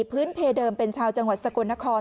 พื้นเพเดิมเป็นชาวจังหวัดสกลนคร